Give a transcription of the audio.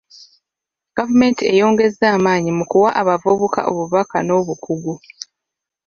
Gavumenti eyongezza amaanyi mu kuwa abavubuka obubaka n'obukugu.